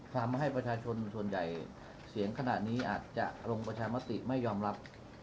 ทำให้ประชาชนส่วนใหญ่เสียงขนาดนี้อาจจะลงประชามติไม่ยอมรับ